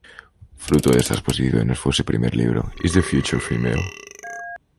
Fruto de estas posiciones fue su primer libro, "Is the Future Female?